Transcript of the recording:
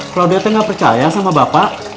klaudia t gak percaya sama bapak